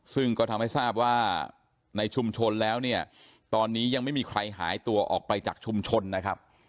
ซึ่งก็ทำให้ทราบว่าในชุมชนแล้วเนี่ยตอนนี้ยังไม่มีใครหายตัวออกไปจากชุมชนนะครับ